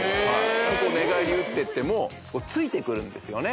こう寝返りうってってもついてくるんですよね